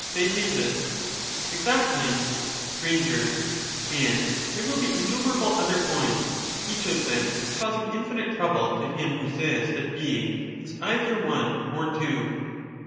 Theaet Exactly. Str. And there will be innumerable other points, each o^ them causing infinite trouble to him who says that being is either one or two.